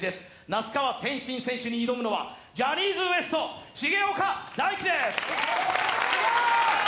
那須川天心選手に挑むのはジャニーズＷＥＳＴ・重岡大毅です！